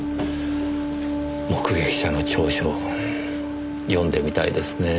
目撃者の調書読んでみたいですねぇ。